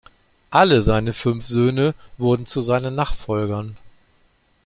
Alle seine fünf Söhne wurden zu seinen Nachfolgern.